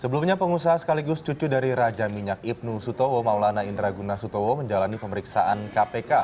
sebelumnya pengusaha sekaligus cucu dari raja minyak ibnu sutowo maulana indra gunasutowo menjalani pemeriksaan kpk